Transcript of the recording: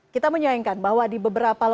kita menyayangkan bahwa di beberapa lokasi